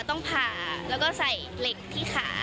ต้องผ่าแล้วก็ใส่เหล็กที่ขา